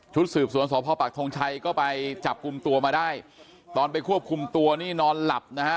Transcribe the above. สืบสวนสพปักทงชัยก็ไปจับกลุ่มตัวมาได้ตอนไปควบคุมตัวนี่นอนหลับนะฮะ